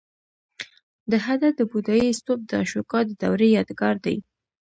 د هده د بودایي ستوپ د اشوکا د دورې یادګار دی